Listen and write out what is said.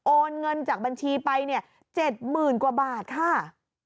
โอนเงินจากบัญชีไป๗หมื่นกว่าบาทค่ะ